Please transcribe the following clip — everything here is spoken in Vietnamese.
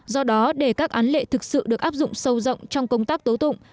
do đó để các án lệ thực sự được áp dụng sâu rộng trong công tác tố tụng